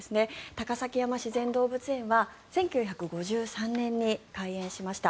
高崎山自然動物園は１９５３年に開園しました。